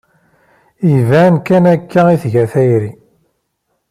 Iban kan akka i tga tayri.